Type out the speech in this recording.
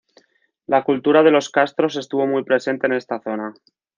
La cultura de los castros estuvo muy presente en esta zona.